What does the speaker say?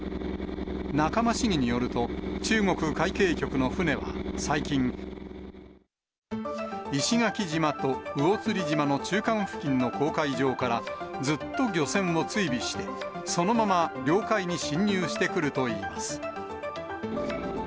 仲間市議によると、中国海警局の船は最近、石垣島と魚釣島の中間付近の公海上から、ずっと漁船を追尾して、そのまま領海に侵入してくるといいます。